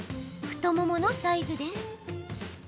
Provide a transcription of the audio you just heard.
太もものサイズです。